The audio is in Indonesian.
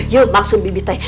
yuk bangsun bibi teh